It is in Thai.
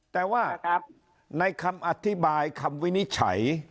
แต่ว่าในคำอธิบายคำวินิจฉัย